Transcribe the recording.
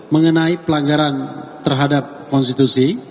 mengenai pelanggaran terhadap konstitusi